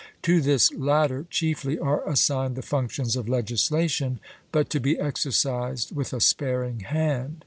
To this latter chiefly are assigned the functions of legislation, but to be exercised with a sparing hand.